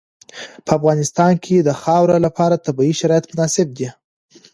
په افغانستان کې د خاوره لپاره طبیعي شرایط مناسب دي.